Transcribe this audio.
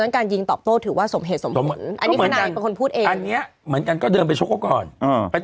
ความอดทนสูงแล้วล่ะ